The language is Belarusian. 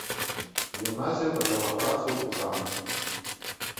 Гімназія пачала працу ў кан.